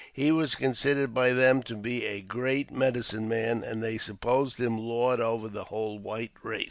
He was considered by them to be a great " medicine man," and they supposed. him lord over the whole white race.